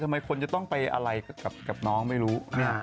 ทำไมคนจะต้องไปอะไรกับน้องไม่รู้